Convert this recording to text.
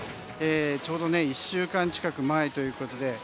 ちょうど１週間近く前ということで。